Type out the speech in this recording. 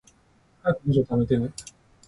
早く文章溜めてね